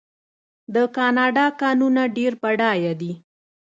د کاناډا کانونه ډیر بډایه دي.